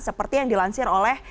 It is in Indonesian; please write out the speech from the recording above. seperti yang dilansir oleh